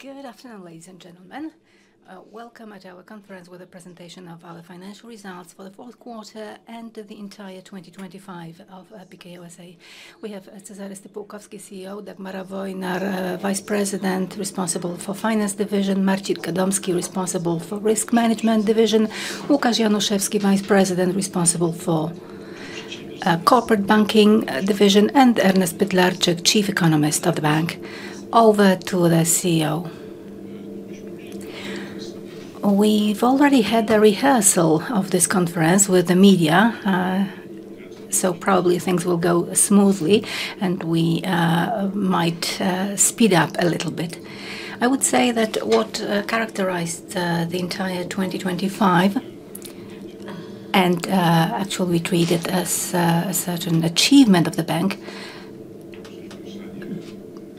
Good afternoon, ladies and gentlemen. Welcome at our conference with a presentation of our financial results for the fourth quarter and the entire 2025 of Bank Pekao S.A. We have Cezary Stypułkowski, CEO, Dagmara Wojnar, Vice President, responsible for Finance Division, Marcin Gadomski, responsible for Risk Management Division, Łukasz Januszewski, Vice President, responsible for Corporate Banking Division, and Ernest Pytlarczyk, Chief Economist of the bank. Over to the CEO. We've already had the rehearsal of this conference with the media, so probably things will go smoothly, and we might speed up a little bit. I would say that what characterized the entire 2025, and actually, we treat it as a certain achievement of the bank,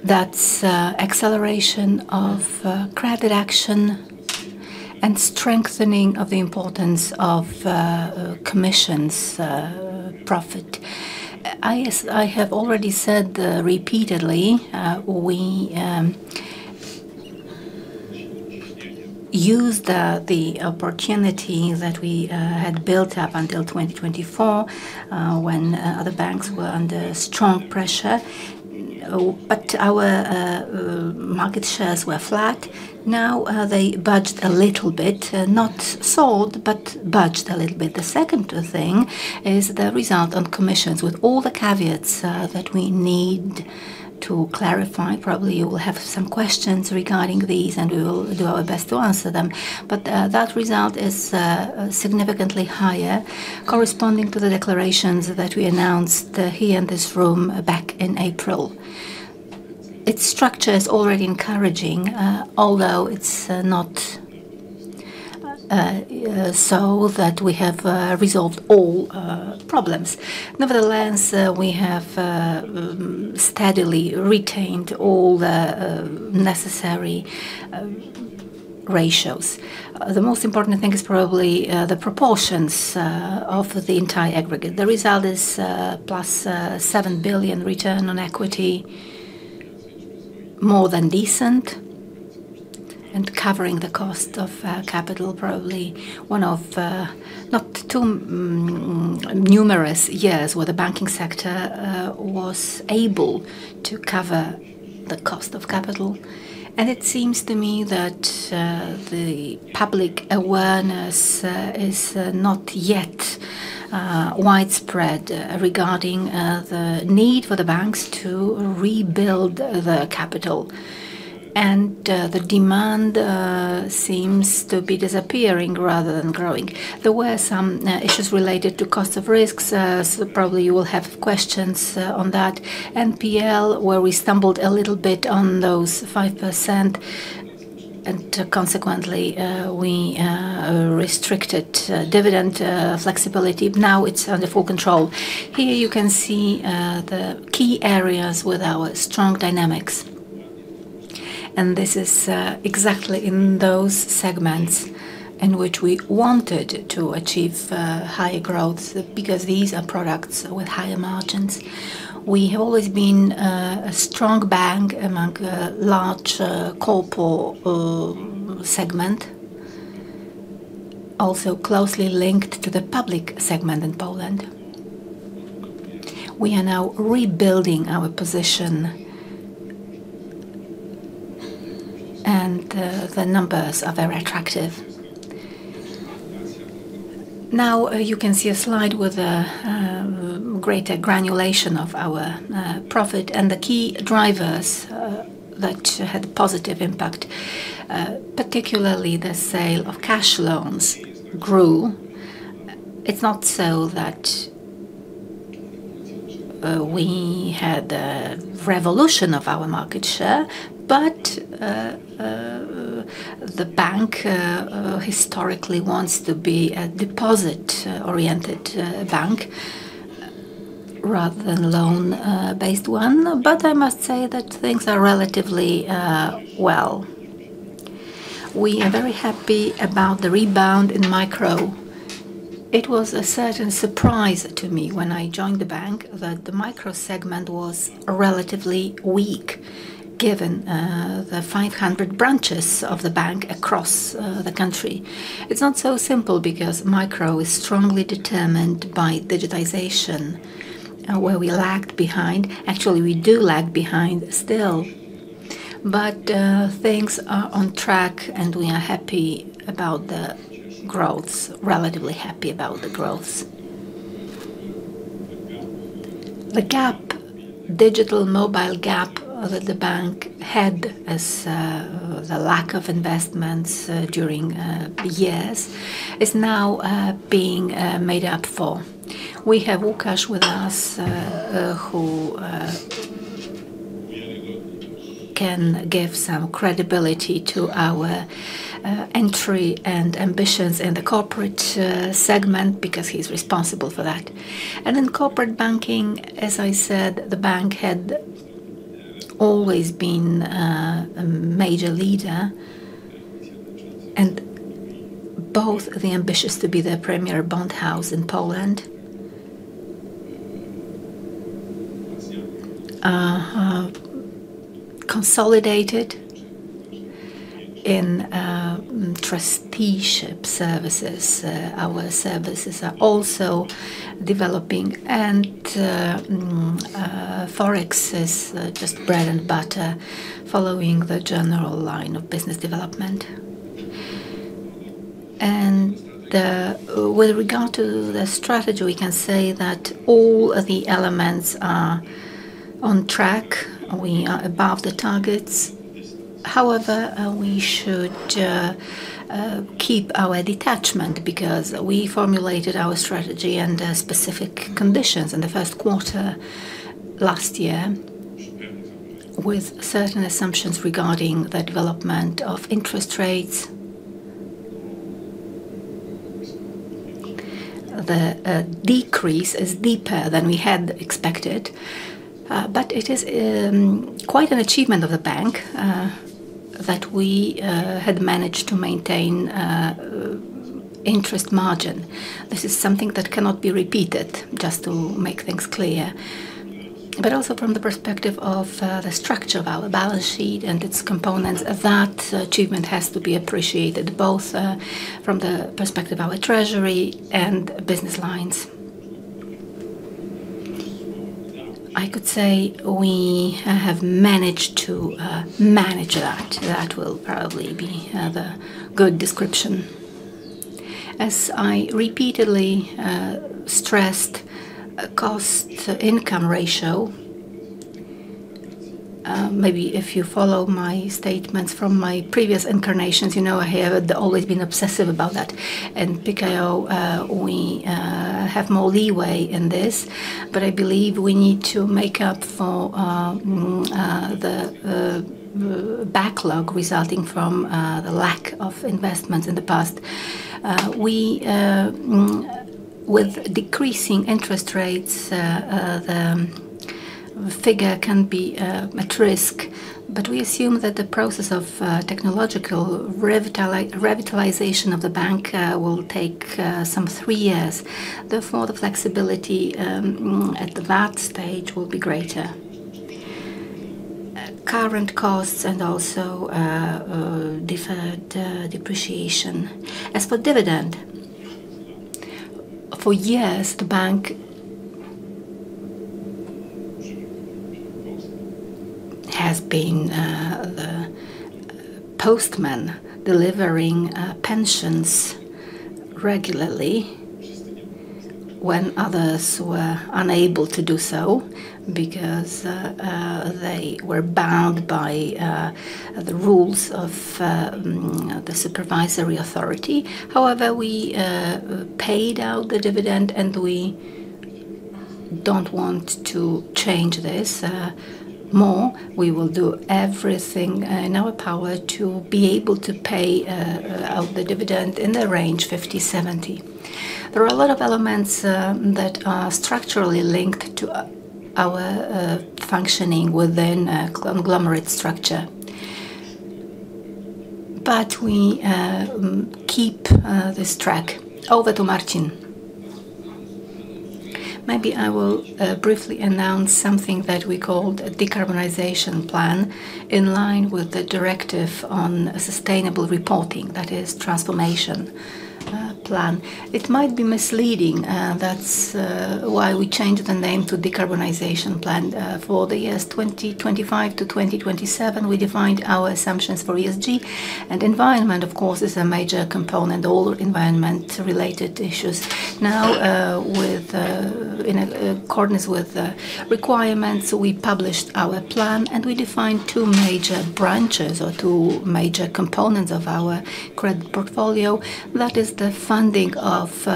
that's acceleration of credit action and strengthening of the importance of commissions profit. I have already said, repeatedly, we used the opportunity that we had built up until 2024, when other banks were under strong pressure. But our market shares were flat. Now, they budged a little bit, not sold, but budged a little bit. The second thing is the result on commissions, with all the caveats that we need to clarify. Probably you will have some questions regarding these, and we will do our best to answer them. But that result is significantly higher, corresponding to the declarations that we announced here in this room back in April. Its structure is already encouraging, although it's not so that we have resolved all problems. Nevertheless, we have steadily retained all the necessary ratios. The most important thing is probably the proportions of the entire aggregate. The result is plus 7 billion return on equity, more than decent, and covering the cost of capital. Probably one of not too numerous years where the banking sector was able to cover the cost of capital. And it seems to me that the public awareness is not yet widespread regarding the need for the banks to rebuild the capital. And the demand seems to be disappearing rather than growing. There were some issues related to cost of risks, so probably you will have questions on that. NPL, where we stumbled a little bit on those 5%, and consequently, we restricted dividend flexibility. Now it's under full control. Here, you can see the key areas with our strong dynamics, and this is exactly in those segments in which we wanted to achieve high growth, because these are products with higher margins. We have always been a strong bank among the large corporate segment, also closely linked to the public segment in Poland. We are now rebuilding our position, and the numbers are very attractive. Now you can see a slide with a greater granularity of our profit and the key drivers that had positive impact, particularly the sale of cash loans grew. It's not so that we had a revolution of our market share, but the bank historically wants to be a deposit-oriented bank, rather than loan-based one. But I must say that things are relatively well. We are very happy about the rebound in micro. It was a certain surprise to me when I joined the bank, that the micro segment was relatively weak, given the 500 branches of the bank across the country. It's not so simple because micro is strongly determined by digitization, where we lagged behind. Actually, we do lag behind still, but things are on track, and we are happy about the growth, relatively happy about the growth. The gap, digital mobile gap, that the bank had as the lack of investments during years, is now being made up for. We have Łukasz with us, who can give some credibility to our entry and ambitions in the corporate segment, because he's responsible for that. In corporate banking, as I said, the bank had always been a major leader and both the ambitious to be the premier bond house in Poland. Our services have consolidated in trusteeship services. Our services are also developing, and Forex is just bread and butter, following the general line of business development. With regard to the strategy, we can say that all of the elements are on track. We are above the targets. However, we should keep our detachment because we formulated our strategy under specific conditions in the first quarter last year, with certain assumptions regarding the development of interest rates. The decrease is deeper than we had expected, but it is quite an achievement of the bank that we had managed to maintain interest margin. This is something that cannot be repeated, just to make things clear. But also, from the perspective of the structure of our balance sheet and its components, that achievement has to be appreciated, both from the perspective of our treasury and business lines. I could say we have managed to manage that. That will probably be the good description. As I repeatedly stressed, cost-to-income ratio, maybe if you follow my statements from my previous incarnations, you know I have always been obsessive about that. And Pekao, we have more leeway in this, but I believe we need to make up for the backlog resulting from the lack of investments in the past. We, with decreasing interest rates, the figure can be at risk, but we assume that the process of technological revitalization of the bank will take some three years. Therefore, the flexibility at that stage will be greater. Current costs and also deferred depreciation. As for dividend, for years, the bank has been the postman delivering pensions regularly when others were unable to do so because they were bound by the rules of the supervisory authority. However, we paid out the dividend, and we don't want to change this more. We will do everything in our power to be able to pay out the dividend in the range 50-70. There are a lot of elements that are structurally linked to our functioning within a conglomerate structure, but we keep this track. Over to Marcin. Maybe I will briefly announce something that we called a decarbonization plan, in line with the directive on sustainable reporting, that is transformation plan. It might be misleading, that's why we changed the name to Decarbonization Plan. For the years 2025-2027, we defined our assumptions for ESG, and environment, of course, is a major component, all environment-related issues. Now, in accordance with the requirements, we published our plan, and we defined two major branches or two major components of our credit portfolio. That is the funding of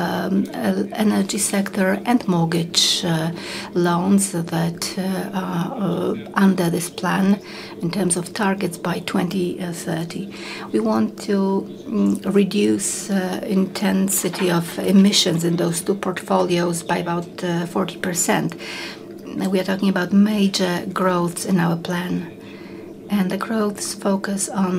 energy sector and mortgage loans that are under this plan in terms of targets by 2030. We want to reduce intensity of emissions in those two portfolios by about 40%. We are talking about major growth in our plan, and the growth is focused on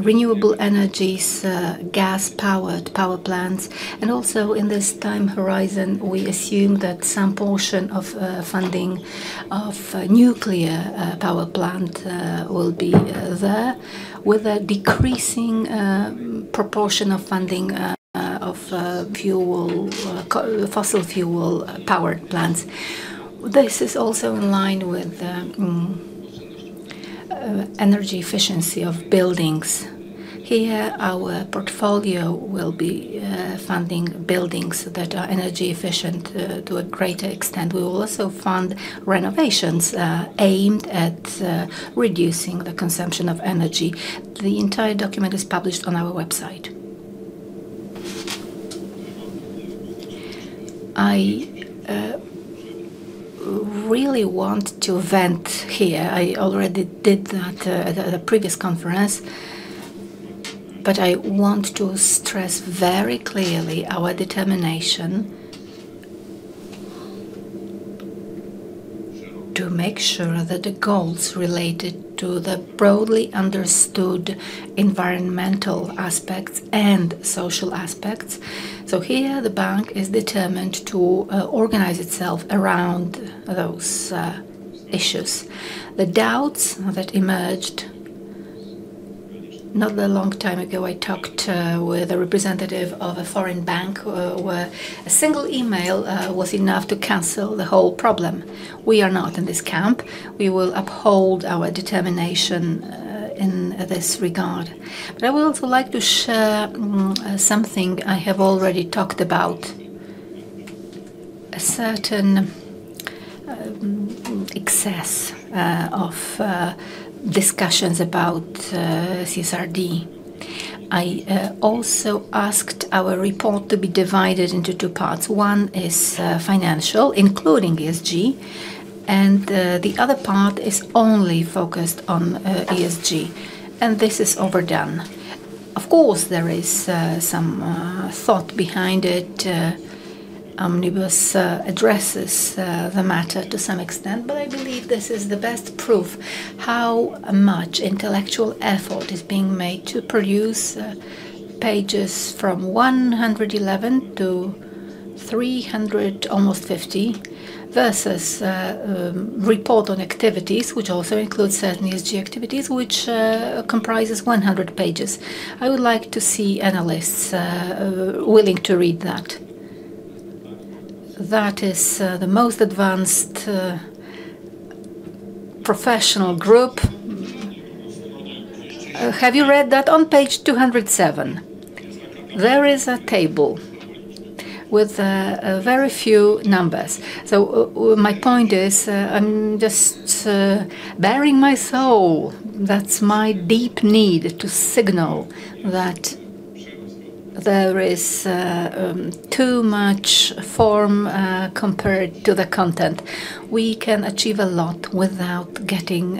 renewable energies, gas-powered power plants. And also, in this time horizon, we assume that some portion of funding of nuclear power plant will be there, with a decreasing proportion of funding of fuel co-- fossil fuel-powered plants. This is also in line with the energy efficiency of buildings. Here, our portfolio will be funding buildings that are energy efficient to a greater extent. We will also fund renovations aimed at reducing the consumption of energy. The entire document is published on our website. I really want to vent here. I already did that at the previous conference, but I want to stress very clearly our determination... ... to make sure that the goals related to the broadly understood environmental aspects and social aspects. So, here the bank is determined to organize itself around those issues. The doubts that emerged, not that long time ago, I talked with a representative of a foreign bank, where a single email was enough to cancel the whole problem. We are not in this camp. We will uphold our determination in this regard. But I would also like to share something I have already talked about. A certain excess of discussions about CSRD. I also asked our report to be divided into two parts. One is financial, including ESG, and the other part is only focused on ESG, and this is overdone. Of course, there is some thought behind it. Omnibus addresses the matter to some extent, but I believe this is the best proof how much intellectual effort is being made to produce pages from 111 to 300, almost 50, versus report on activities, which also includes certain ESG activities, which comprises 100 pages. I would like to see analysts willing to read that. That is the most advanced professional group. Have you read that? On page 207, there is a table with a very few numbers. So, my point is, I'm just baring my soul. That's my deep need, to signal that there is too much form compared to the content. We can achieve a lot without getting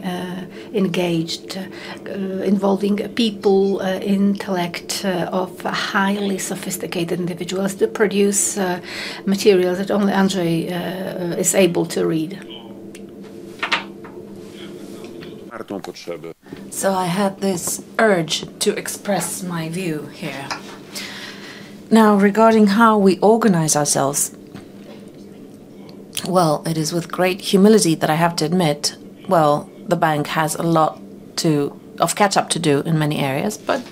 engaged, involving people's intellect of highly sophisticated individuals to produce material that only Andrzej is able to read. So, I had this urge to express my view here. Now, regarding how we organize ourselves, well, it is with great humility that I have to admit, well, the bank has a lot of catch up to do in many areas, but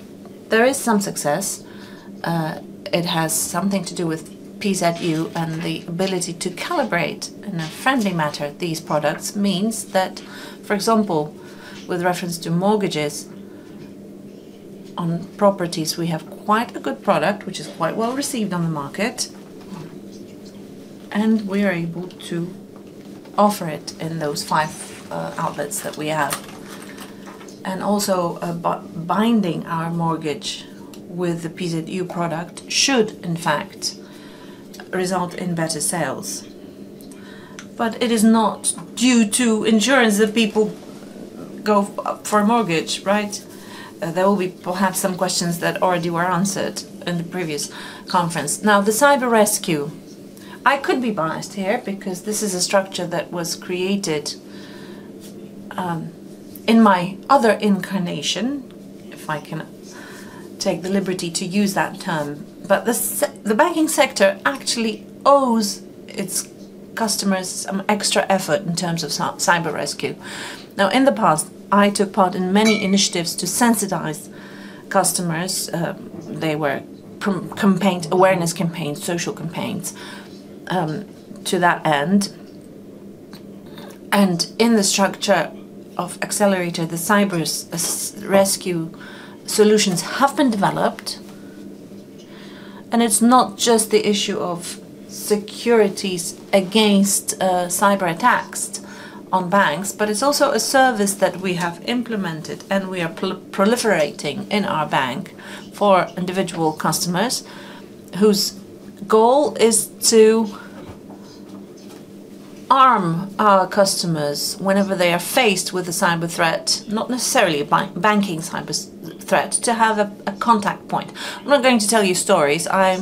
there is some success. It has something to do with PZU and the ability to calibrate, in a friendly manner, these products means that, for example, with reference to mortgages on properties, we have quite a good product, which is quite well received on the market, and we are able to offer it in those five outlets that we have. Also, by binding our mortgage with the PZU product should in fact result in better sales. But it is not due to insurance that people go up for a mortgage, right? There will be perhaps some questions that already were answered in the previous conference. Now, the CyberRescue. I could be biased here because this is a structure that was created in my other incarnation, if I can take the liberty to use that term. But the banking sector actually owes its customers some extra effort in terms of CyberRescue. Now, in the past, I took part in many initiatives to sensitize customers. They were campaigns, awareness campaigns, social campaigns, to that end. And in the structure of Accelerator, the CyberRescue solutions have been developed. It's not just the issue of securities against cyberattacks on banks, but it's also a service that we have implemented, and we are proliferating in our bank for individual customers, whose goal is to arm our customers whenever they are faced with a cyber threat, not necessarily a banking cyber threat, to have a contact point. I'm not going to tell you stories. I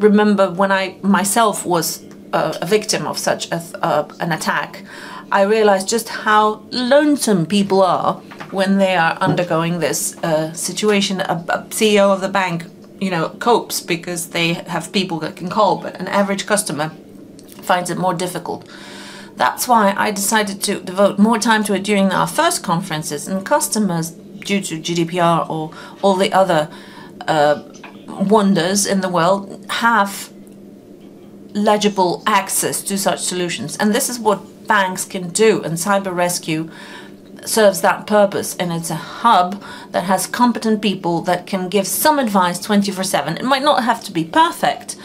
remember when I, myself, was a victim of such an attack, I realized just how lonesome people are when they are undergoing this situation. A CEO of the bank, you know, copes because they have people that can call, but an average customer finds it more difficult. That's why I decided to devote more time to it during our first conferences, and customers, due to GDPR or all the other wonders in the world, have legible access to such solutions. And this is what banks can do, and CyberRescue serves that purpose, and it's a hub that has competent people that can give some advice 24/7. It might not have to be perfect.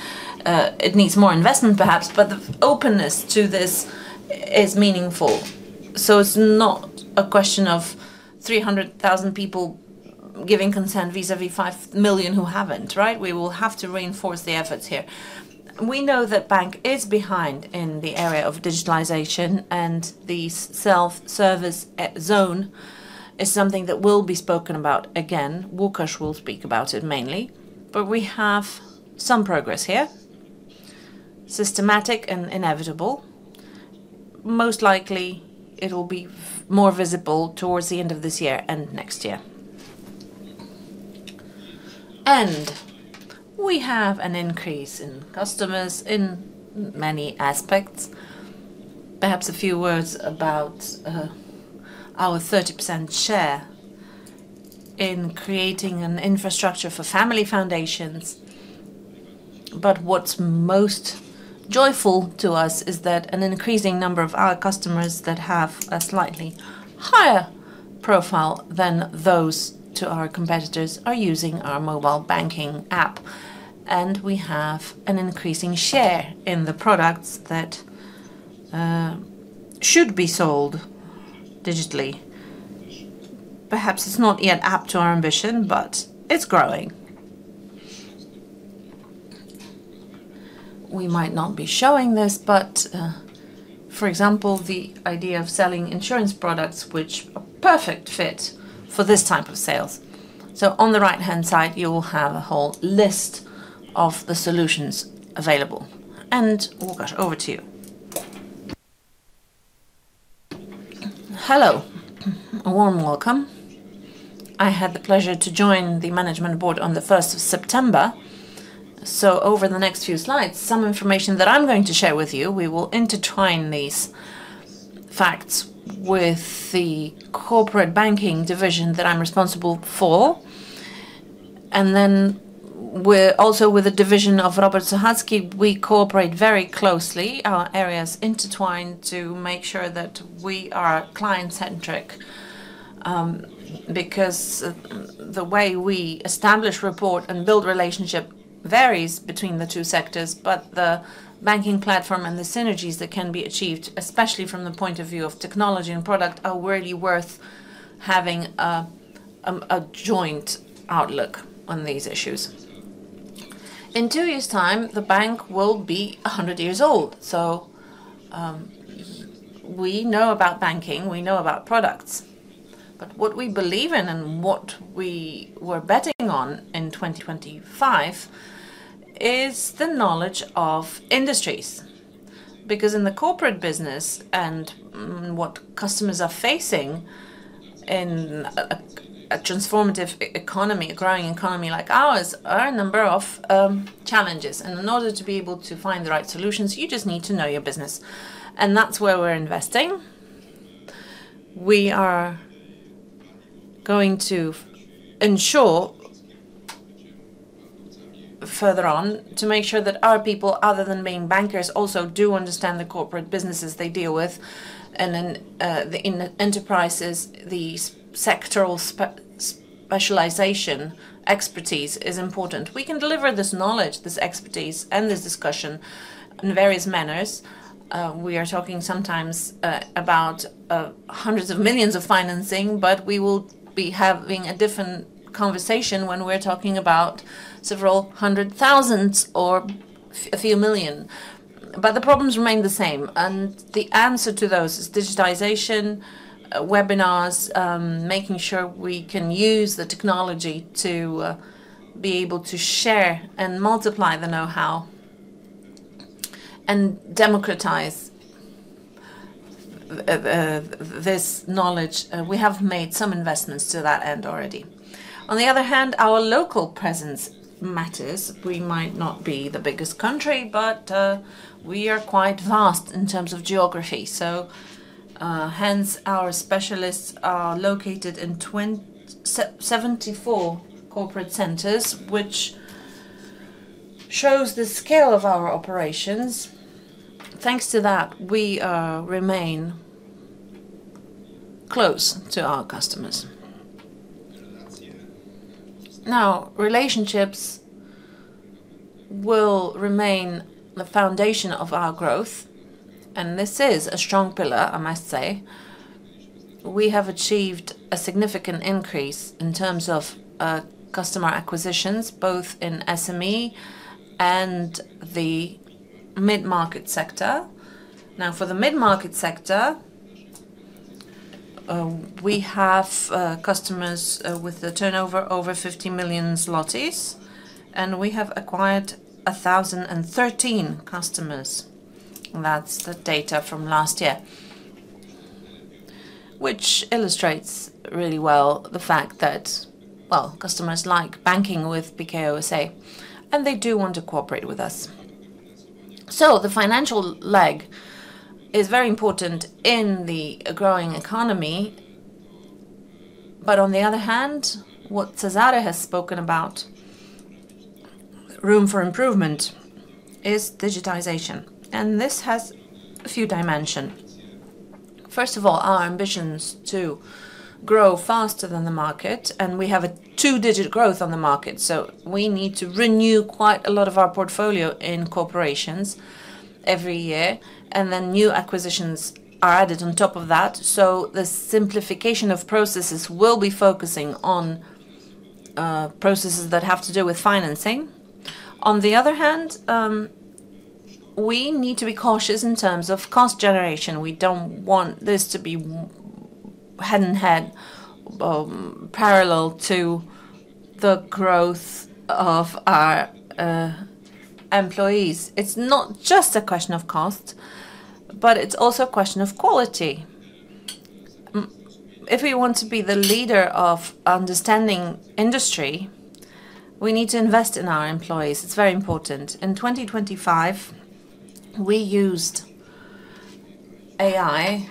It needs more investment, perhaps, but the openness to this is meaningful. So, it's not a question of 300,000 people giving consent vis-a-vis 5 million who haven't, right? We will have to reinforce the efforts here. We know that bank is behind in the area of digitalization, and the self-service zone is something that will be spoken about again. Łukasz will speak about it mainly.... but we have some progress here, systematic and inevitable. Most likely, it will be more visible towards the end of this year and next year. We have an increase in customers in many aspects. Perhaps a few words about our 30% share in creating an infrastructure for family foundations. But what's most joyful to us is that an increasing number of our customers that have a slightly higher profile than those to our competitors are using our mobile banking app, and we have an increasing share in the products that should be sold digitally. Perhaps it's not yet up to our ambition, but it's growing. We might not be showing this, but for example, the idea of selling insurance products, which are perfect fit for this type of sales. So, on the right-hand side, you will have a whole list of the solutions available. Over to you. Hello. A warm welcome. I had the pleasure to join the management board on the first of September. So, over the next few slides, some information that I'm going to share with you, we will intertwine these facts with the corporate banking division that I'm responsible for. And then, we also with a division of Robert Sochacki, we cooperate very closely. Our areas intertwine to make sure that we are client-centric, because the way we establish, report, and build relationship varies between the two sectors. But the banking platform and the synergies that can be achieved, especially from the point of view of technology and product, are really worth having a joint outlook on these issues. In two years', time, the bank will be a hundred years old, so we know about banking, we know about products. But what we believe in and what we were betting on in 2025, is the knowledge of industries. Because in the corporate business and what customers are facing in a transformative economy, a growing economy like ours, are a number of challenges, and in order to be able to find the right solutions, you just need to know your business. And that's where we're investing. We are going to ensure, further on, to make sure that our people, other than being bankers, also do understand the corporate businesses they deal with. And then, in the enterprises, the sectoral specialization expertise is important. We can deliver this knowledge, this expertise, and this discussion in various manners. We are talking sometimes about hundreds of millions PLN of financing, but we will be having a different conversation when we're talking about several hundred thousand PLN or a few million PLN. But the problems remain the same, and the answer to those is digitization, webinars, making sure we can use the technology to be able to share and multiply the know-how and democratize this knowledge. We have made some investments to that end already. On the other hand, our local presence matters. We might not be the biggest country, but we are quite vast in terms of geography. So, hence, our specialists are located in 74 corporate centers, which shows the scale of our operations. Thanks to that, we remain close to our customers. Now, relationships will remain the foundation of our growth, and this is a strong pillar, I must say. We have achieved a significant increase in terms of customer acquisitions, both in SME and the mid-market sector. Now, for the mid-market sector, we have customers with a turnover over 50 million zlotys, and we have acquired 1,013 customers. That's the data from last year, which illustrates really well the fact that, well, customers like banking with Pekao, and they do want to cooperate with us. So the financial leg is very important in the growing economy. But on the other hand, what Cezary has spoken about, room for improvement, is digitization, and this has a few dimensions. First of all, our ambitions to grow faster than the market, and we have a two-digit growth on the market, so we need to renew quite a lot of our portfolio in corporations every year, and then new acquisitions are added on top of that. So, the simplification of processes will be focusing on processes that have to do with financing. On the other hand, we need to be cautious in terms of cost generation. We don't want this to be hand in hand parallel to the growth of our employees. It's not just a question of cost, but it's also a question of quality. If we want to be the leader of understanding industry, we need to invest in our employees. It's very important. In 2025, we used AI,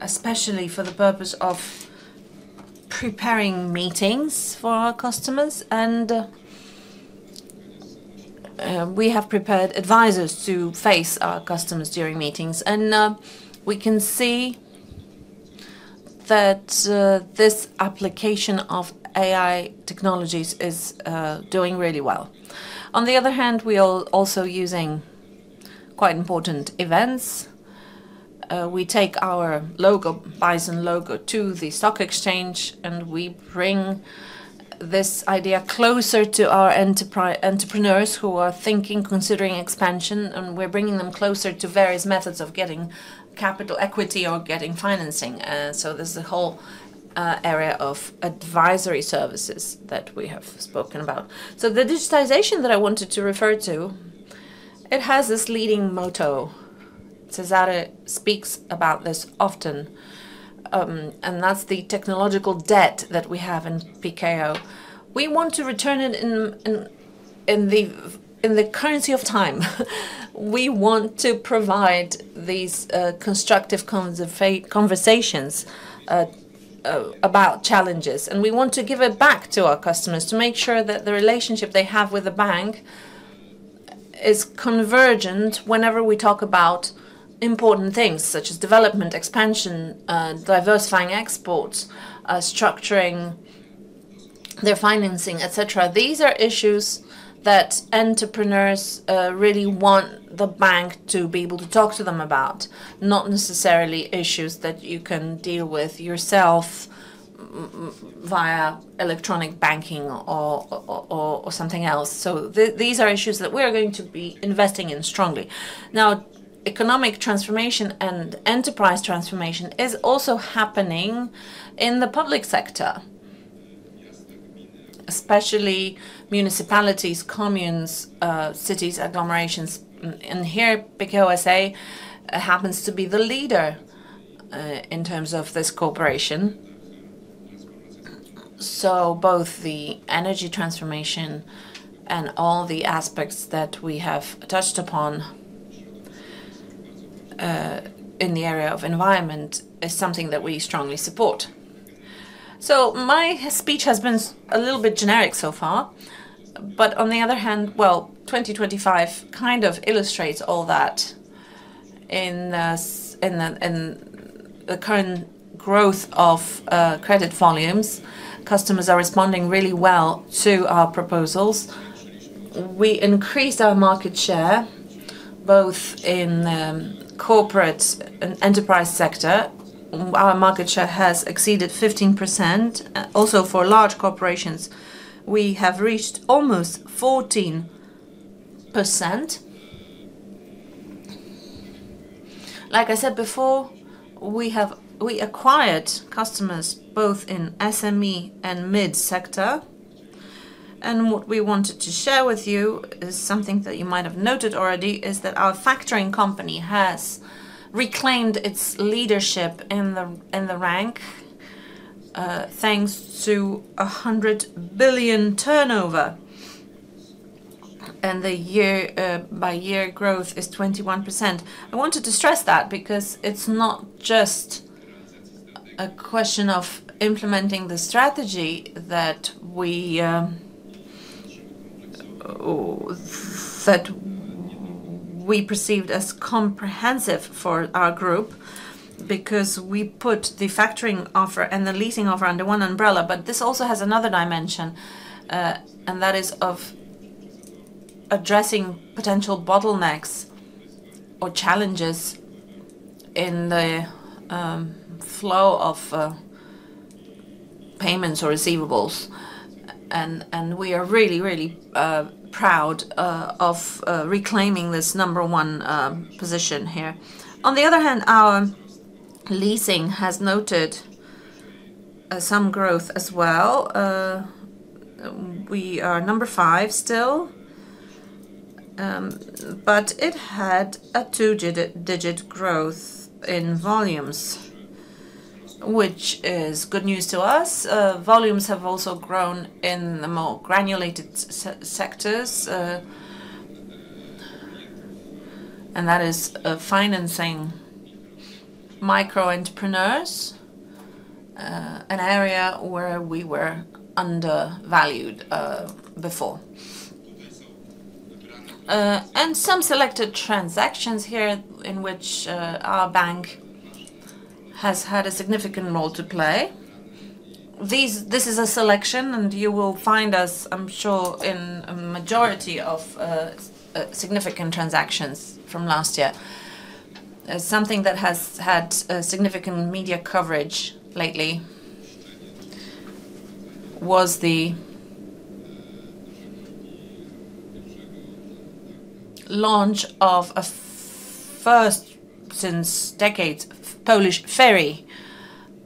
especially for the purpose of preparing meetings for our customers, and we have prepared advisors to face our customers during meetings. We can see that this application of AI technologies is doing really well. On the other hand, we are also using quite important events. We take our logo, bison logo, to the stock exchange, and we bring this idea closer to our entrepreneurs who are thinking, considering expansion, and we're bringing them closer to various methods of getting capital equity or getting financing. So, there's a whole area of advisory services that we have spoken about. The digitization that I wanted to refer to, it has this leading motto. Cezary speaks about this often, and that's the technological debt that we have in Pekao. We want to return it in the currency of time. We want to provide these constructive conversations about challenges, and we want to give it back to our customers to make sure that the relationship they have with the bank is convergent whenever we talk about important things such as development, expansion, diversifying exports, structuring their financing, et cetera. These are issues that entrepreneurs really want the bank to be able to talk to them about, not necessarily issues that you can deal with yourself via electronic banking or something else. So, these are issues that we are going to be investing in strongly. Now, economic transformation and enterprise transformation is also happening in the public sector, especially municipalities, communes, cities, agglomerations, and here, Pekao S.A., happens to be the leader in terms of this cooperation. So, both the energy transformation and all the aspects that we have touched upon in the area of environment is something that we strongly support. So, my speech has been a little bit generic so far, but on the other hand, well, 2025 kind of illustrates all that in the current growth of credit volumes. Customers are responding really well to our proposals. We increased our market share, both in corporate and enterprise sector. Our market share has exceeded 15%. Also, for large corporations, we have reached almost 14%. Like I said before, we have acquired customers both in SME and mid-sector. What we wanted to share with you is something that you might have noted already, is that our factoring company has reclaimed its leadership in the ranking, thanks to a 100 billion turnover, and the year-by-year growth is 21%. I wanted to stress that because it's not just a question of implementing the strategy that we perceived as comprehensive for our group, because we put the factoring offer and the leasing offer under one umbrella, but this also has another dimension, and that is of addressing potential bottlenecks or challenges in the flow of payments or receivables, and we are really proud of reclaiming this number one position here. On the other hand, our leasing has noted some growth as well. We are number 5 still, but it had a 2-digit growth in volumes, which is good news to us. Volumes have also grown in the more granulated sectors, and that is financing micro entrepreneurs, an area where we were undervalued before. And some selected transactions here in which our bank has had a significant role to play. This is a selection, and you will find us, I'm sure, in a majority of significant transactions from last year. Something that has had significant media coverage lately was the launch of a first, since decades, Polish ferry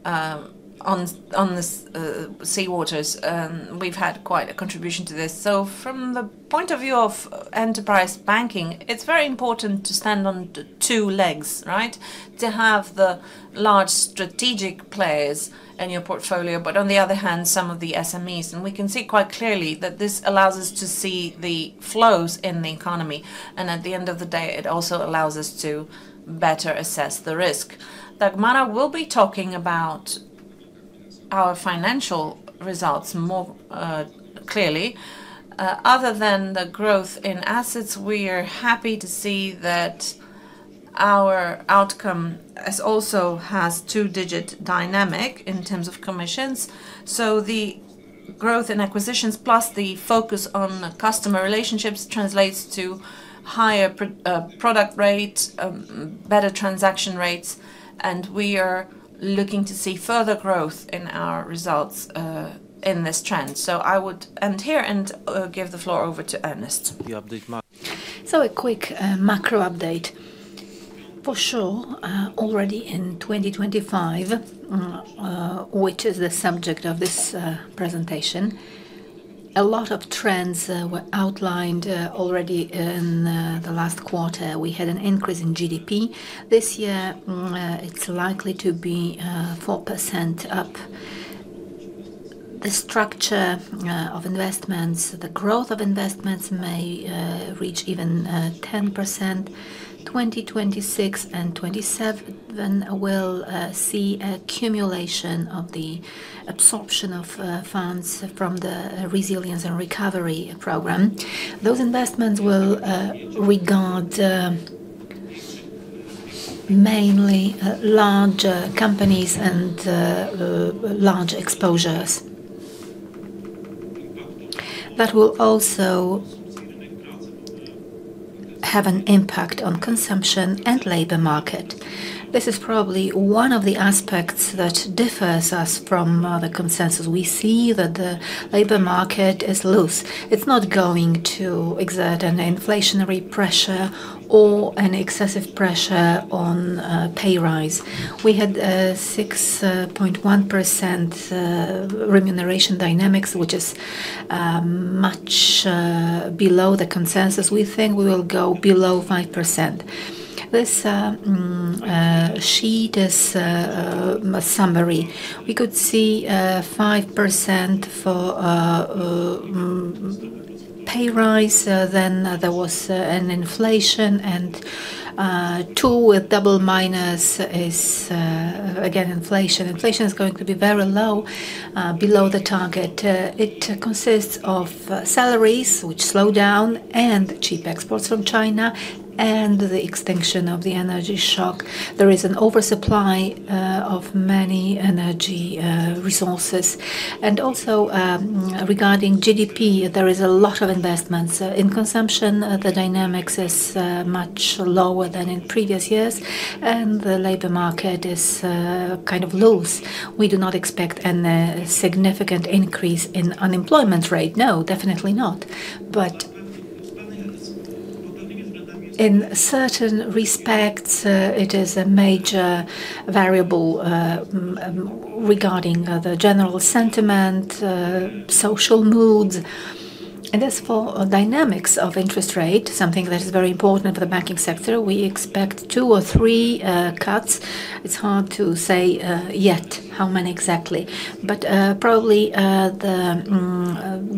on the seawaters. We've had quite a contribution to this. So, from the point of view of enterprise banking, it's very important to stand on two legs, right? To have the large strategic players in your portfolio, but on the other hand, some of the SMEs. And we can see quite clearly that this allows us to see the flows in the economy, and at the end of the day, it also allows us to better assess the risk. Dagmara will be talking about our financial results more clearly. Other than the growth in assets, we are happy to see that our outcome is also has two-digit dynamic in terms of commissions. So, the growth in acquisitions, plus the focus on customer relationships, translates to higher product rates, better transaction rates, and we are looking to see further growth in our results in this trend. So, I would end here and give the floor over to Ernest. The update mark. So, a quick, macro update. For sure, already in 2025, which is the subject of this, presentation, a lot of trends, were outlined, already in, the last quarter. We had an increase in GDP. This year, it's likely to be, 4% up. The structure, of investments, the growth of investments may, reach even, 10%. 2026 and 2027 will, see accumulation of the absorption of funds from the resilience and recovery program. Those investments will, regard, mainly, large, companies and, large exposures. That will also have an impact on consumption and labor market. This is probably one of the aspects that differs us from, the consensus. We see that the labor market is loose. It's not going to exert an inflationary pressure or an excessive pressure on pay raise. We had 6.1% remuneration dynamics, which is much below the consensus. We think we will go below 5%. This sheet is a summary. We could see 5% for pay raise, then there was an inflation and -2% is again inflation. Inflation is going to be very low below the target. It consists of salaries, which slow down, and cheap exports from China, and the extinction of the energy shock. There is an oversupply of many energy resources. And also, regarding GDP, there is a lot of investments. In consumption, the dynamics is much lower than in previous years, and the labor market is kind of loose. We do not expect a significant increase in unemployment rate. No, definitely not. But in certain respects, it is a major variable regarding the general sentiment, social moods. And as for dynamics of interest rate, something that is very important for the banking sector, we expect 2 or 3 cuts. It's hard to say yet how many exactly, but probably the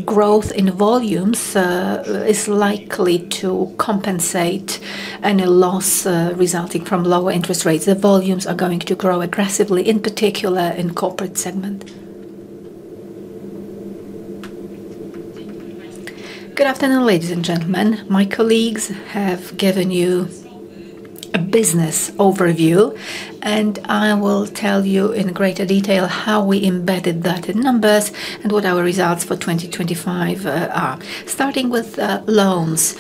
growth in volumes is likely to compensate any loss resulting from lower interest rates. The volumes are going to grow aggressively, in particular, in corporate segment. Good afternoon, ladies and gentlemen. My colleagues have given you a business overview, and I will tell you in greater detail how we embedded that in numbers and what our results for 2025 are. Starting with loans.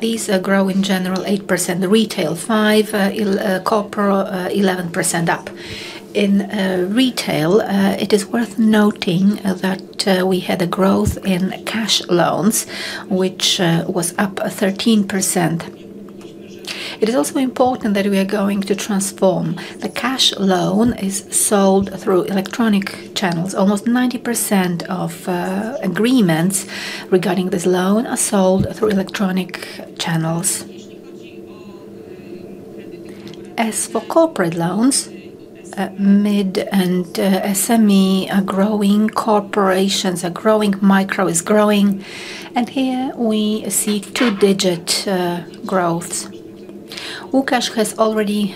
These grow in general 8%. The retail 5%, corporate 11% up. In retail, it is worth noting that we had a growth in cash loans, which was up 13%. It is also important that we are going to transform. The cash loan is sold through electronic channels. Almost 90% of agreements regarding this loan are sold through electronic channels. As for corporate loans, mid and SME are growing, corporations are growing, micro is growing, and here we see two-digit growth. Łukasz has already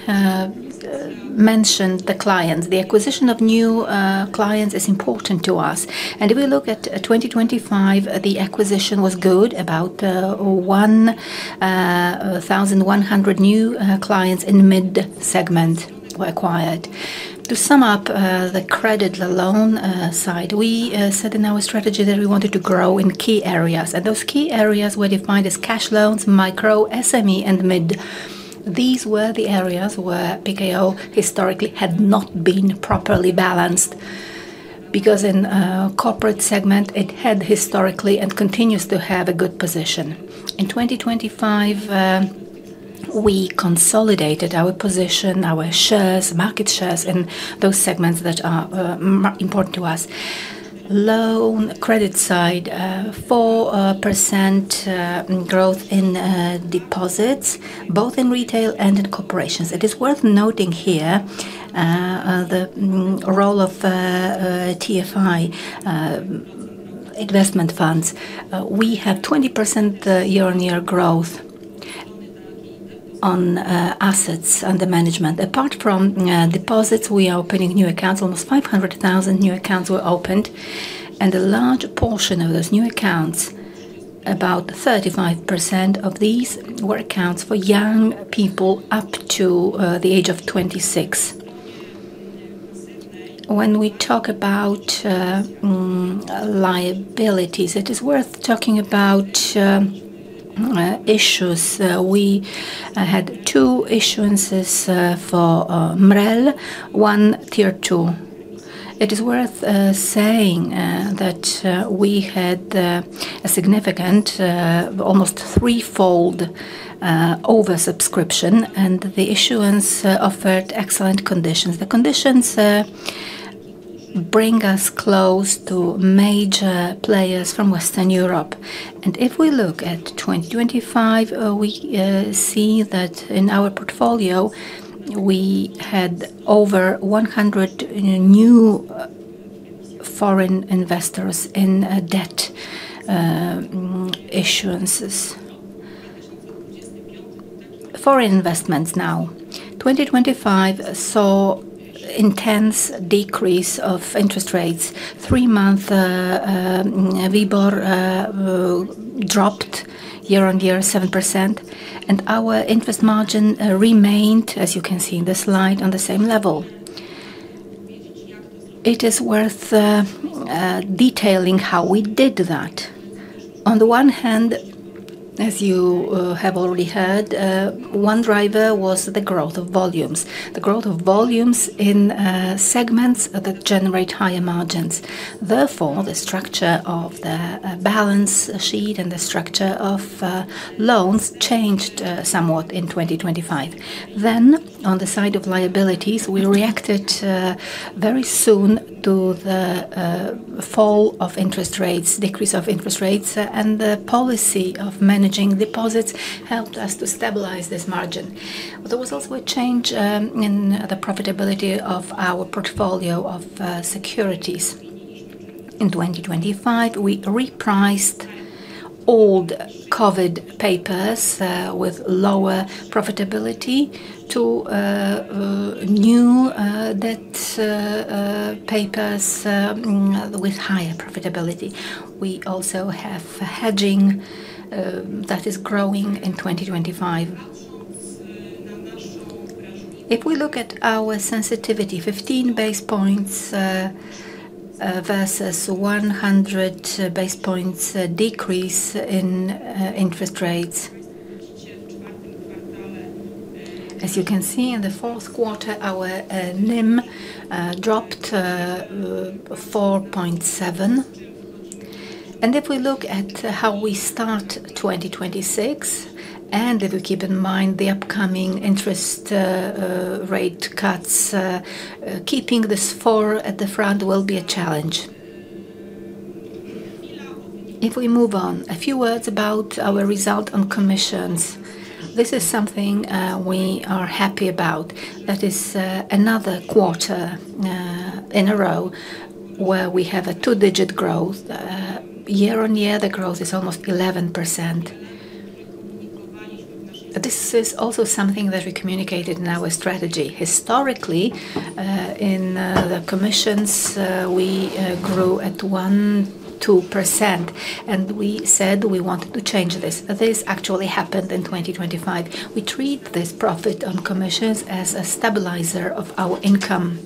mentioned the clients. The acquisition of new clients is important to us. And if we look at 2025, the acquisition was good. About 1,100 new clients in mid-segment were acquired. To sum up, the credit, the loan side, we said in our strategy that we wanted to grow in key areas, and those key areas were defined as cash loans, micro, SME, and mid. These were the areas where Pekao historically had not been properly balanced because in corporate segment, it had historically and continues to have a good position. In 2025, we consolidated our position, our shares, market shares, in those segments that are important to us. Loan, credit side, 4% growth in deposits, both in retail and in corporations. It is worth noting here the role of TFI investment funds. We have 20% year-on-year growth on assets under management. Apart from deposits, we are opening new accounts. Almost 500,000 new accounts were opened, and a large portion of those new accounts, about 35% of these, were accounts for young people up to the age of 26. When we talk about liabilities, it is worth talking about issues. We had two issuances for MREL, one Tier 2. It is worth saying that we had a significant almost threefold oversubscription, and the issuance offered excellent conditions. The conditions bring us close to major players from Western Europe. If we look at 2025, we see that in our portfolio, we had over 100 new foreign investors in debt issuances. Foreign investments now. 2025 saw intense decrease of interest rates. Three-month WIBOR dropped year-on-year 7%, and our interest margin remained, as you can see in this slide, on the same level. It is worth detailing how we did that. On the one hand, as you have already heard, one driver was the growth of volumes. The growth of volumes in segments that generate higher margins. Therefore, the structure of the balance sheet and the structure of loans changed somewhat in 2025. Then, on the side of liabilities, we reacted very soon to the fall of interest rates, decrease of interest rates, and the policy of managing deposits helped us to stabilize this margin. There was also a change in the profitability of our portfolio of securities. In 2025, we repriced old COVID papers with lower profitability to new debt papers with higher profitability. We also have hedging that is growing in 2025. If we look at our sensitivity, 15 basis points versus 100 basis points decrease in interest rates. As you can see, in the fourth quarter, our NIM dropped 4.7. If we look at how we start 2026, and if we keep in mind the upcoming interest rate cuts, keeping this four at the front will be a challenge. If we move on, a few words about our result on commissions. This is something we are happy about. That is another quarter in a row where we have a two-digit growth. Year-on-year, the growth is almost 11%. This is also something that we communicated in our strategy. Historically, in the commissions, we grew at 1-2%, and we said we wanted to change this. This actually happened in 2025. We treat this profit on commissions as a stabilizer of our income.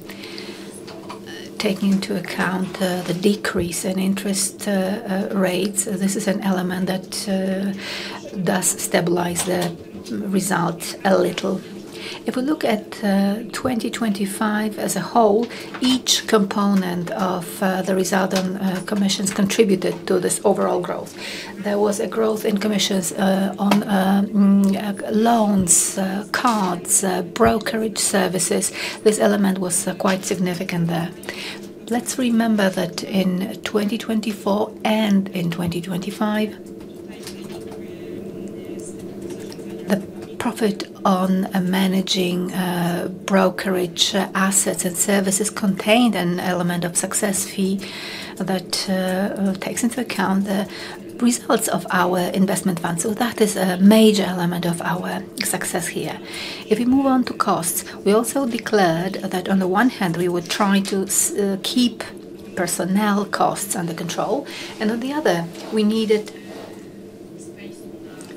Taking into account the decrease in interest rates, this is an element that does stabilize the result a little. If we look at 2025 as a whole, each component of the result on commissions contributed to this overall growth. There was a growth in commissions on loans, cards, brokerage services. This element was quite significant there. Let's remember that in 2024 and in 2025, the profit on managing brokerage assets and services contained an element of success fee that takes into account the results of our investment fund. So, that is a major element of our success here. If we move on to costs, we also declared that on the one hand, we would try to keep personnel costs under control, and on the other, we needed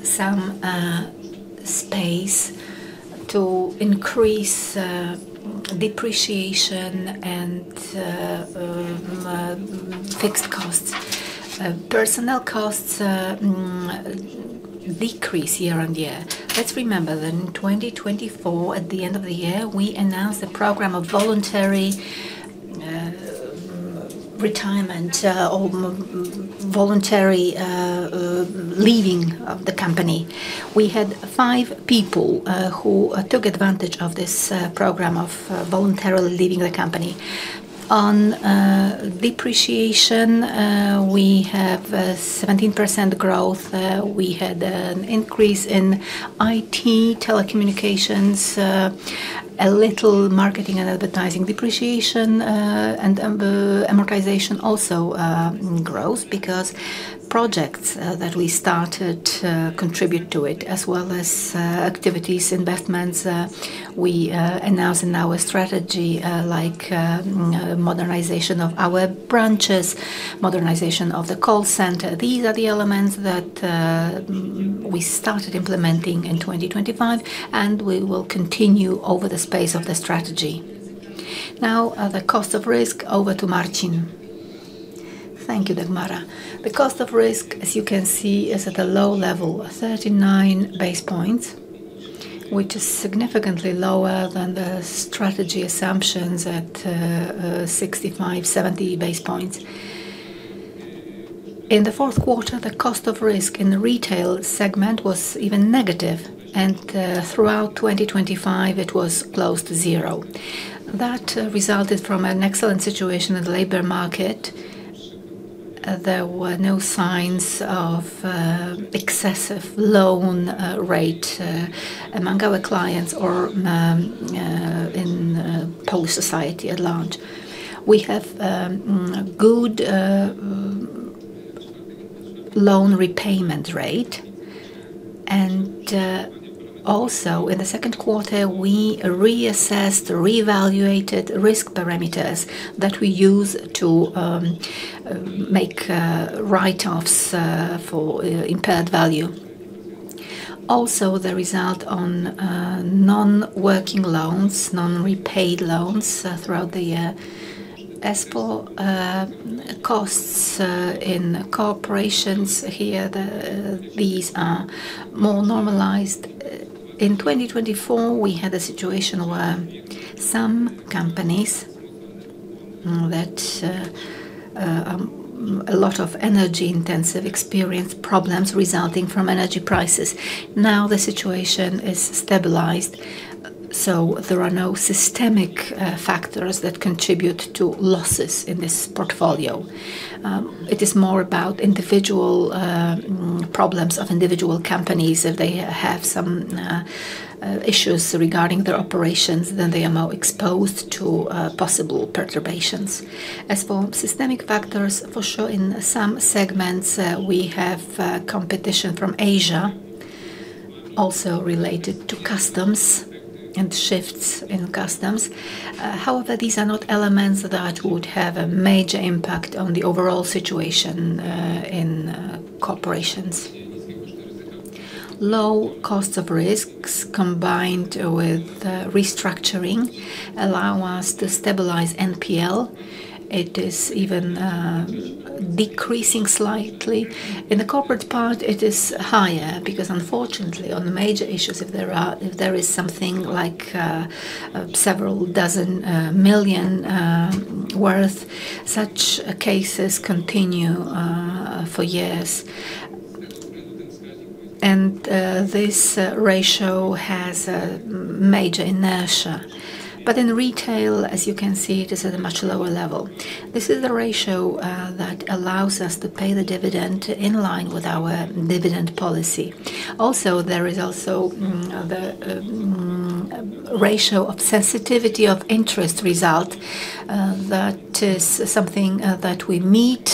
some space to increase depreciation and fixed costs. Personnel costs decrease year-on-year. Let's remember that in 2024, at the end of the year, we announced a program of voluntary retirement or voluntary leaving of the company. We had five people who took advantage of this program of voluntarily leaving the company. On depreciation, we have 17% growth. We had an increase in IT, telecommunications, a little marketing and advertising depreciation, and amortization also grows because projects that we started contribute to it, as well as activities, investments we announced in our strategy, like modernization of our branches, modernization of the call center. These are the elements that we started implementing in 2025, and we will continue over the space of the strategy. Now, the cost of risk, over to Marcin. Thank you, Dagmara. The cost of risk, as you can see, is at a low level of 39 base points, which is significantly lower than the strategy assumptions at 65-70 base points. In the fourth quarter, the cost of risk in the retail segment was even negative, and throughout 2025, it was close to zero. That resulted from an excellent situation in the labor market. There were no signs of excessive loan rate among our clients or in Polish society at large. We have good loan repayment rate. And also, in the second quarter, we reassessed, reevaluated risk parameters that we use to make write-offs for impaired value. Also, the result on non-working loans, non-repaid loans throughout the year, as for costs in corporations, here, these are more normalized. In 2024, we had a situation where some companies that a lot of energy intensive experienced problems resulting from energy prices. Now, the situation is stabilized, so there are no systemic factors that contribute to losses in this portfolio. It is more about individual problems of individual companies. If they have some issues regarding their operations, then they are more exposed to possible perturbations. As for systemic factors, for sure, in some segments, we have competition from Asia, also related to customs and shifts in customs. However, these are not elements that would have a major impact on the overall situation in corporations. Low costs of risks, combined with restructuring, allow us to stabilize NPL. It is even decreasing slightly. In the corporate part, it is higher, because unfortunately, on the major issues, if there are—if there is something like several dozen million PLN worth, such cases continue for years. And this ratio has a major inertia. But in retail, as you can see, it is at a much lower level. This is the ratio that allows us to pay the dividend in line with our dividend policy. Also, there is also the ratio of sensitivity of interest result that is something that we meet.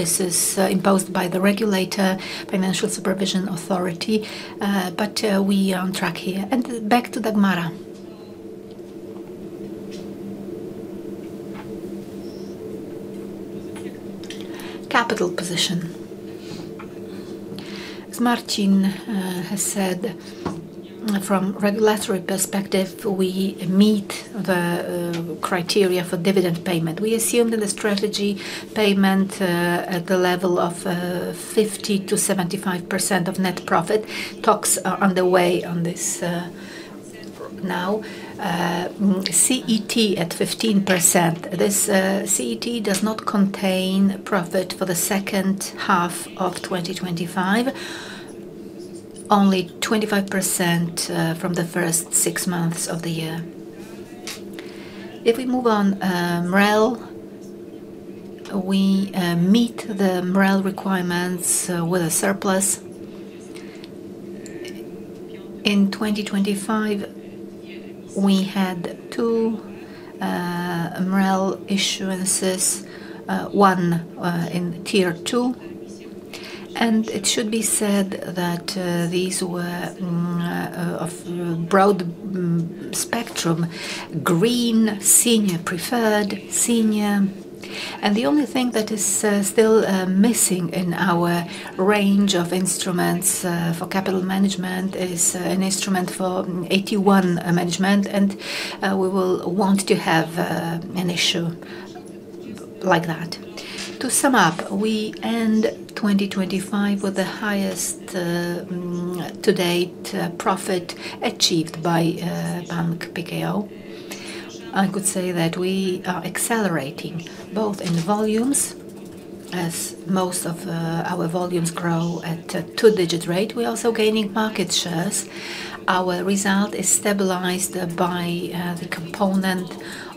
This is imposed by the regulator, Financial Supervision Authority, but we are on track here. And back to Dagmara. Capital position. As Marcin has said, from regulatory perspective, we meet the criteria for dividend payment. We assumed in the strategy payment at the level of 50%-75% of net profit. Talks are underway on this now. CET at 15%. This CET1 does not contain profit for the second half of 2025, only 25% from the first six months of the year. If we move on, MREL, we meet the MREL requirements with a surplus. In 2025, we had 2 MREL issuances, one in Tier 2, and it should be said that these were of broad spectrum, green, senior preferred, senior. And the only thing that is still missing in our range of instruments for capital management is an instrument for AT1 management, and we will want to have an issue like that. To sum up, we end 2025 with the highest to date profit achieved by Bank Pekao. I could say that we are accelerating, both in volumes, as most of our volumes grow at a two-digit rate. We are also gaining market shares. Our result is stabilized by the component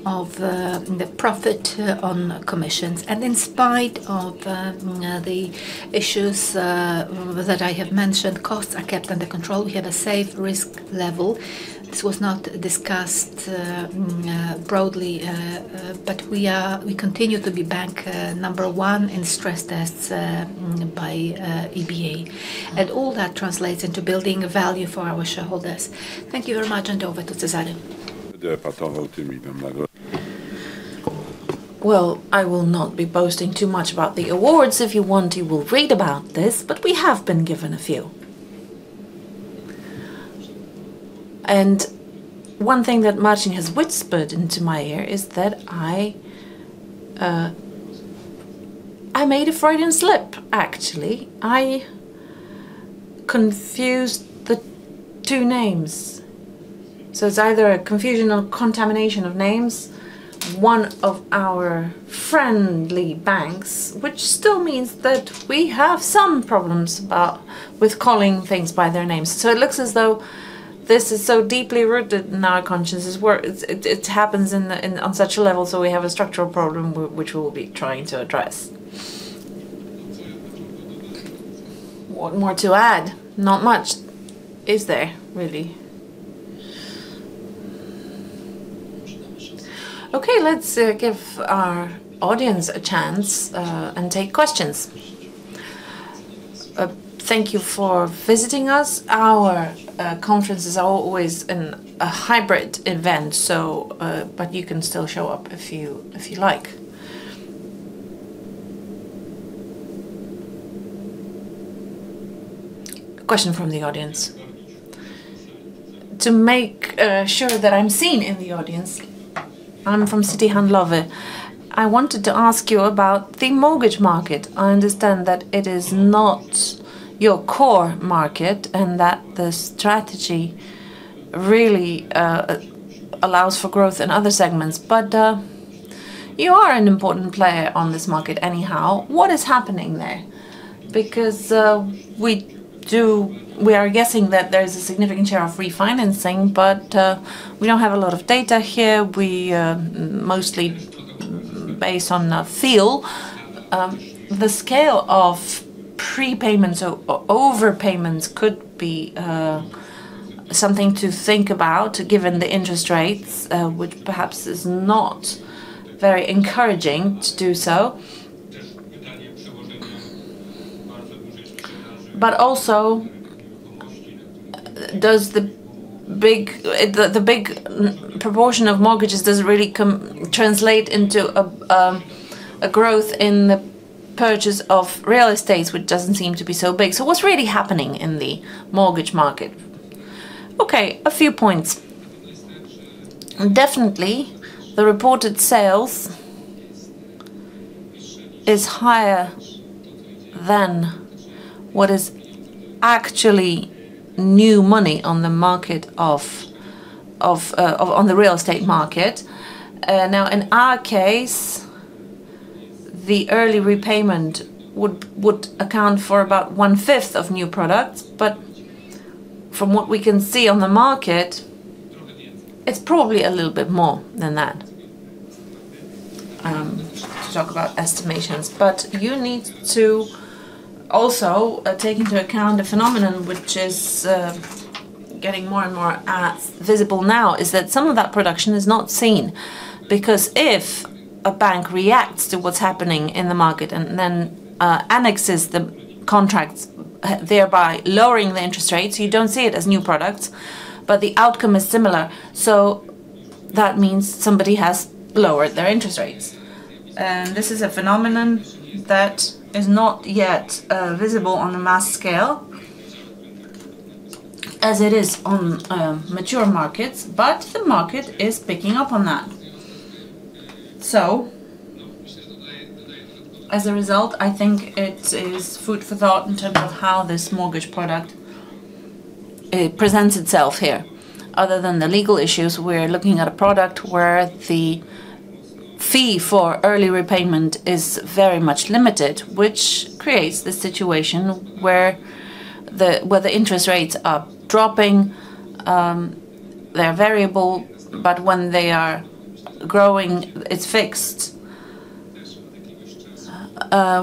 of the profit on commissions. In spite of the issues that I have mentioned, costs are kept under control. We have a safe risk level. This was not discussed broadly, but we continue to be bank number one in stress tests by EBA. All that translates into building value for our shareholders. Thank you very much, and over to Cezary. Well, I will not be boasting too much about the awards. If you want, you will read about this, but we have been given a few. And one thing that Marcin has whispered into my ear is that I, I made a Freudian slip, actually. I confused the two names. So, it's either a confusion or contamination of names, one of our friendly banks, which still means that we have some problems about with calling things by their names. So, it looks as though this is so deeply rooted in our consciences, where it happens on such a level, so we have a structural problem which we'll be trying to address. What more to add? Not much, is there, really? Okay, let's give our audience a chance and take questions. Thank you for visiting us. Our conference is always a hybrid event, so but you can still show up if you, if you like. A question from the audience. To make sure that I'm seen in the audience, I'm from Bank Handlowy. I wanted to ask you about the mortgage market. I understand that it is not your core market, and that the strategy really allows for growth in other segments, but you are an important player on this market anyhow. What is happening there? Because we are guessing that there is a significant share of refinancing, but we don't have a lot of data here. We mostly based on a feel. The scale of prepayments or overpayments could be something to think about, given the interest rates, which perhaps is not very encouraging to do so. But also, does the big proportion of mortgages, does it really translate into a growth in the purchase of real estates, which doesn't seem to be so big? So, what's really happening in the mortgage market? Okay, a few points. Definitely, the reported sales is higher than what is actually new money on the market, on the real estate market. Now, in our case, the early repayment would account for about one-fifth of new products, but from what we can see on the market, it's probably a little bit more than that, to talk about estimations. But you need to also take into account a phenomenon which is getting more and more visible now, is that some of that production is not seen. Because if a bank reacts to what's happening in the market and then annexes the contracts, thereby lowering the interest rates, you don't see it as new products, but the outcome is similar. So, that means somebody has lowered their interest rates. And this is a phenomenon that is not yet visible on a mass scale as it is on mature markets, but the market is picking up on that. So, as a result, I think it is food for thought in terms of how this mortgage product presents itself here. Other than the legal issues, we're looking at a product where the fee for early repayment is very much limited, which creates the situation where the interest rates are dropping, they're variable, but when they are growing, it's fixed.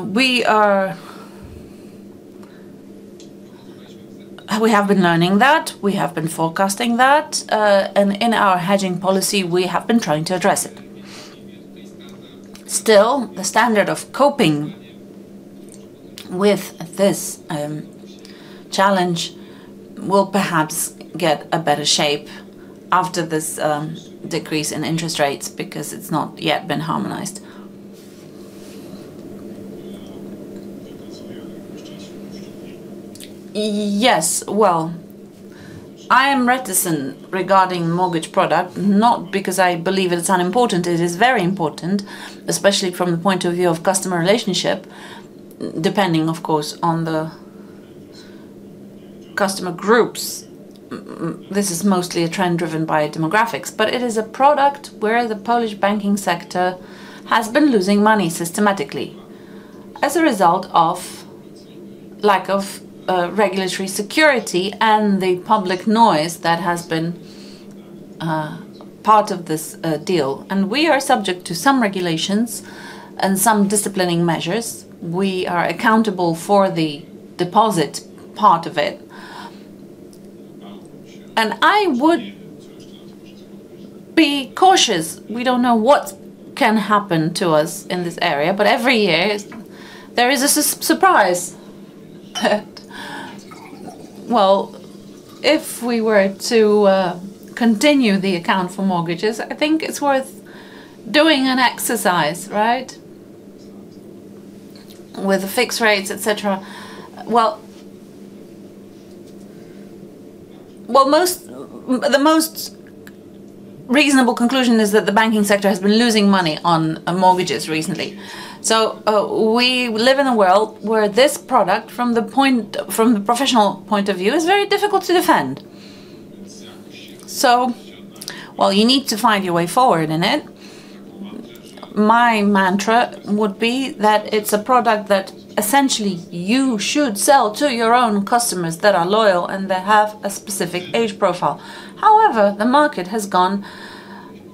We are... We have been learning that, we have been forecasting that, and in our hedging policy, we have been trying to address it. Still, the standard of coping with this challenge will perhaps get a better shape after this decrease in interest rates, because it's not yet been harmonized. Yes, well, I am reticent regarding mortgage product, not because I believe it is unimportant. It is very important, especially from the point of view of customer relationship, depending, of course, on the customer groups. This is mostly a trend driven by demographics, but it is a product where the Polish banking sector has been losing money systematically as a result of lack of regulatory security and the public noise that has been part of this deal. And we are subject to some regulations and some disciplining measures. We are accountable for the deposit part of it, and I would be cautious. We don't know what can happen to us in this area, but every year, there is a surprise. Well, if we were to continue the account for mortgages, I think it's worth doing an exercise, right? With the fixed rates, et cetera. Well, the most reasonable conclusion is that the banking sector has been losing money on mortgages recently. So, we live in a world where this product, from the professional point of view, is very difficult to defend. So, you need to find your way forward in it. My mantra would be that it's a product that essentially you should sell to your own customers that are loyal, and they have a specific age profile. However, the market has gone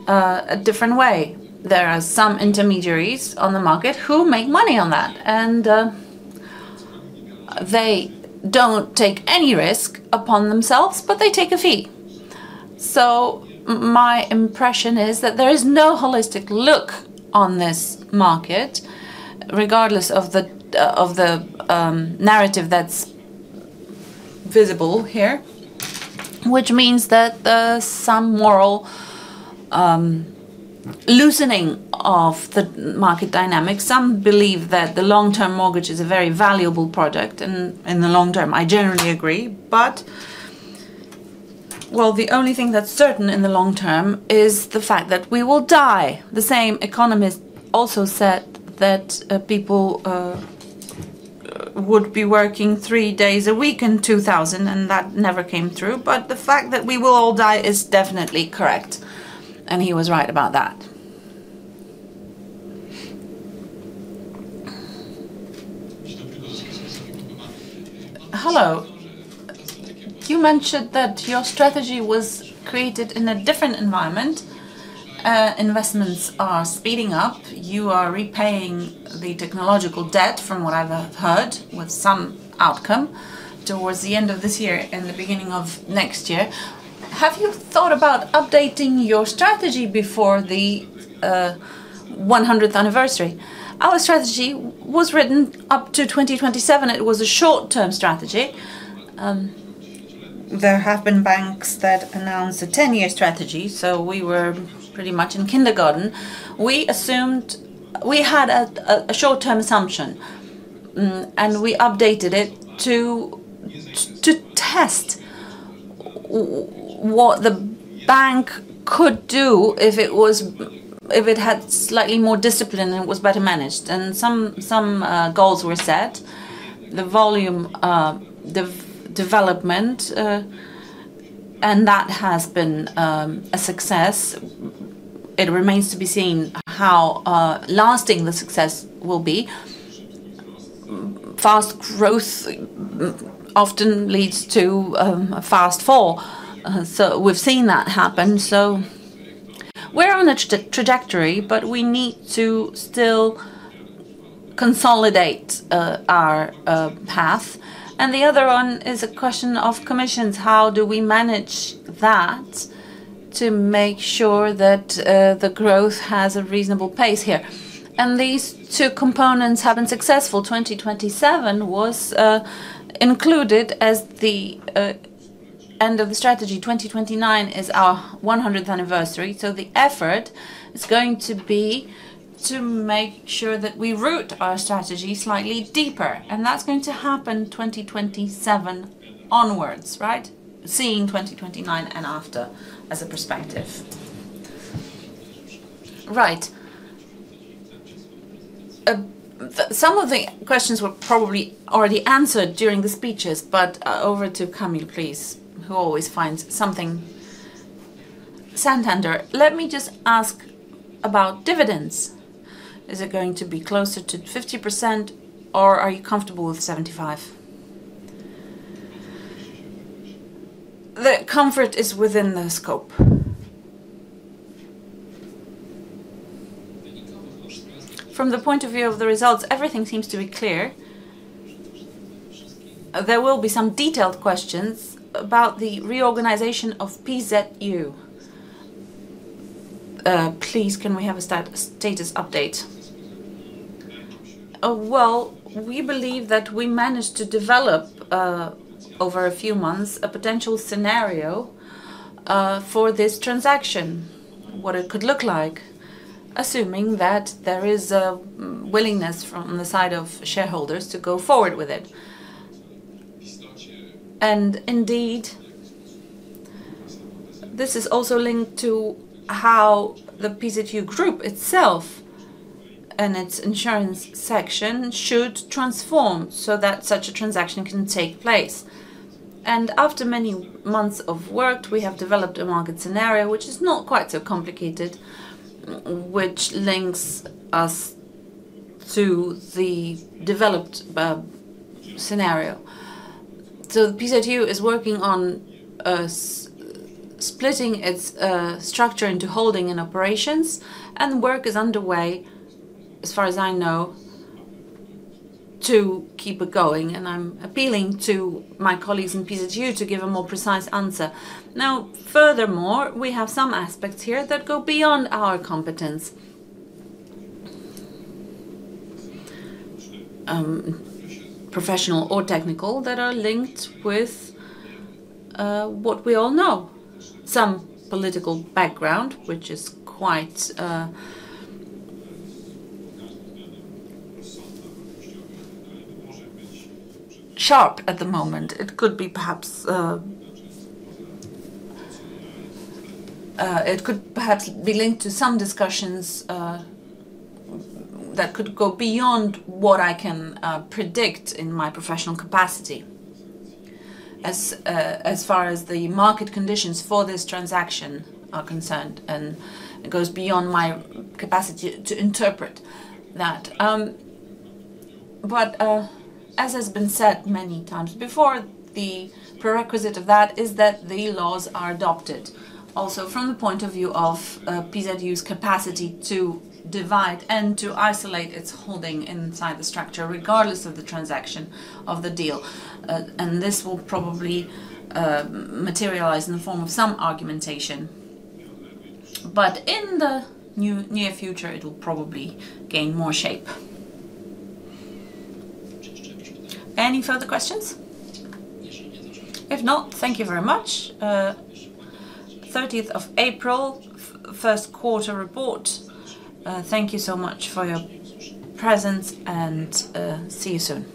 a different way. There are some intermediaries on the market who make money on that, and they don't take any risk upon themselves, but they take a fee. So, my impression is that there is no holistic look on this market, regardless of the narrative that's visible here, which means that some moral loosening of the market dynamics. Some believe that the long-term mortgage is a very valuable product, in the long term, I generally agree. But, well, the only thing that's certain in the long term is the fact that we will die. The same economist also said that people would be working three days a week in 2000, and that never came through. But the fact that we will all die is definitely correct, and he was right about that. Hello. You mentioned that your strategy was created in a different environment. Investments are speeding up. You are repaying the technological debt, from what I've heard, with some outcome towards the end of this year and the beginning of next year. Have you thought about updating your strategy before the 100th anniversary? Our strategy was written up to 2027. It was a short-term strategy. There have been banks that announced a 10-year strategy, so we were pretty much in kindergarten. We assumed... We had a short-term assumption, and we updated it to test what the bank could do if it was, if it had slightly more discipline and it was better managed. Some goals were set. The volume development, and that has been a success. It remains to be seen how lasting the success will be. Fast growth often leads to a fast fall, so we've seen that happen. So, we're on a trajectory, but we need to still consolidate our path. And the other one is a question of commissions. How do we manage that to make sure that the growth has a reasonable pace here? And these two components have been successful. 2027 was included as the end of the strategy. 2029 is our 100th anniversary so, the effort is going to be to make sure that we root our strategy slightly deeper, and that's going to happen 2027 onwards, right? Seeing 2029 and after as a perspective. Right. Some of the questions were probably already answered during the speeches, but over to Kamil, please, who always finds something. Santander, let me just ask about dividends. Is it going to be closer to 50%, or are you comfortable with 75%? The comfort is within the scope. From the point of view of the results, everything seems to be clear. There will be some detailed questions about the reorganization of PZU. Please, can we have a status update? We believe that we managed to develop over a few months a potential scenario for this transaction, what it could look like. Assuming that there is a willingness from the side of shareholders to go forward with it. Indeed, this is also linked to how the PZU Group itself and its insurance section should transform so, that such a transaction can take place. After many months of work, we have developed a market scenario, which is not quite so complicated, which links us to the developed scenario. PZU is working on splitting its structure into holding and operations, and work is underway, as far as I know, to keep it going, and I'm appealing to my colleagues in PZU to give a more precise answer. Now, furthermore, we have some aspects here that go beyond our competence, professional or technical, that are linked with what we all know, some political background, which is quite sharp at the moment. It could be perhaps, it could perhaps be linked to some discussions that could go beyond what I can predict in my professional capacity. As, as far as the market conditions for this transaction are concerned, and it goes beyond my capacity to interpret that. But, as has been said many times before, the prerequisite of that is that the laws are adopted, also from the point of view of PZU's capacity to divide and to isolate its holding inside the structure, regardless of the transaction of the deal. And this will probably materialize in the form of some argumentation, but in the near future, it will probably gain more shape. Any further questions? If not, thank you very much. 13 April first quarter report. Thank you so much for your presence, and see you soon.